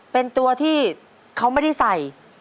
เป็นตัวที่เขาไม่ได้ใส่